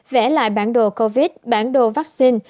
vẽ lại bản đồ covid bản đồ vaccine